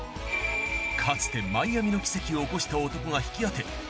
かつてマイアミの奇跡を起こした男が引き当て